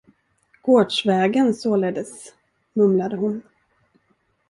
Gårdsvägen således, mumlade hon.